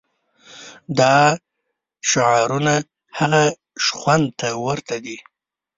دا شعارونه هغه شخوند ته ورته دي.